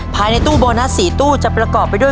ภายในตู้โบนัส๔ตู้จะประกอบไปด้วย